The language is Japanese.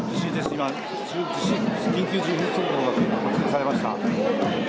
今、緊急地震速報が発令されました。